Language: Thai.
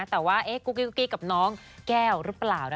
แต่ว่ากุ๊กี้กุ๊กี้กับน้องแก้วรึเปล่านะ